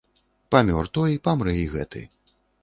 Памёр той, памрэ і гэты.